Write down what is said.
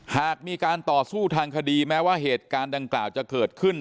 หากมีการต่อสู้ทางคดีแม้ว่าเหตุการณ์ดังกล่าวจะเกิดขึ้น